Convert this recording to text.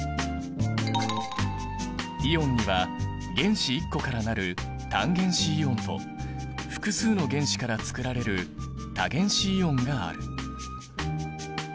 イオンには原子１個から成る単原子イオンと複数の原子からつくられる多原子イオンがある。